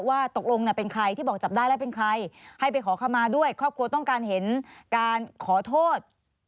ว่าตกลงเป็นใครที่บอกจับได้แล้วเป็นใครให้ไปขอขมาด้วยครอบครัวต้องการเห็นการขอโทษ